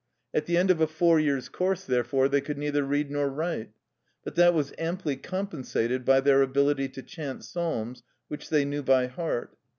At the end of a four years' course, therefore, they could neither read nor write. But that was amply compensated by their ability to chant psalms, which they knew by heart.